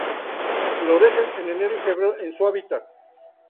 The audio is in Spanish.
Florecen en enero y febrero en su hábitat.